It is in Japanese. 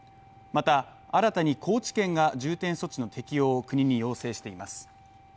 また新たに高知県が重点措置の適用を国に要請しています。